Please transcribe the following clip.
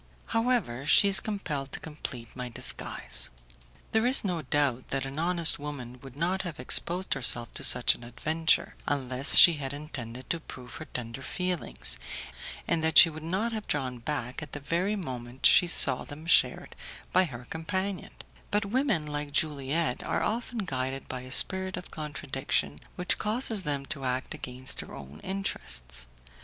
However, she is compelled to complete my disguise. There is no doubt that an honest woman would not have exposed herself to such an adventure, unless she had intended to prove her tender feelings, and that she would not have drawn back at the very moment she saw them shared by her companion; but women like Juliette are often guided by a spirit of contradiction which causes them to act against their own interests.